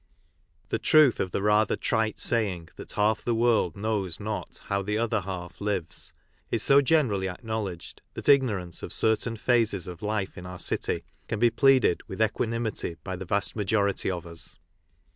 The truth of the rather trite saying that half the world knows not how the other half lives is so generally acknowledged that ignorance of certain phases of life in our city can he pleaded with equanimity by the vast majority of us.